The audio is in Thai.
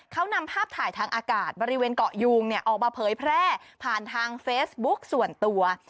เขานำภาพถ่ายทางอากาศบริเวณเกาะยูงออกมาเผยแพร่ผ่านทางเฟซบุ๊กส่วนตัว